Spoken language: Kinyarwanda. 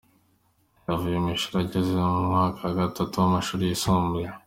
Yavuye mu ishuri ageze mu mwaka wa gatatu w’amashuri yisumbuye.